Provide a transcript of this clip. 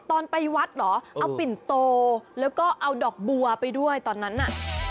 ตอนไปวัดเหรอเอาปิ่นโตแล้วก็เอาดอกบัวไปด้วยตอนนั้นน่ะ